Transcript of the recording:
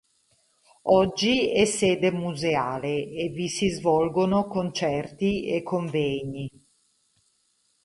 Oggi è sede museale e vi si svolgono concerti e convegni.